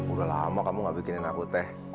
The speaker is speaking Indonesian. udah lama kamu gak bikinin aku teh